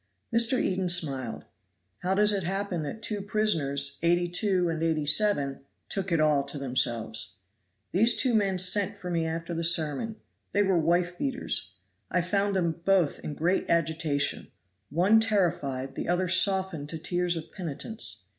Mr. Eden smiled. "How does it happen that two prisoners, 82 and 87, took it all to themselves? These two men sent for me after the sermon; they were wife beaters. I found them both in great agitation. One terrified, the other softened to tears of penitence.